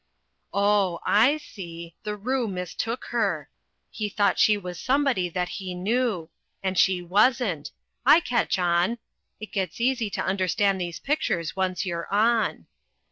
Oh, I see! The Roo mistook her; he thought she was somebody that he knew! And she wasn't! I catch on! It gets easy to understand these pictures once you're on.